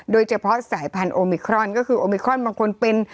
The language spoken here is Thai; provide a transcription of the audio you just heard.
โดยเฉพาะสายพันธุมิครอนก็คือโอมิครอนบางคนเป็น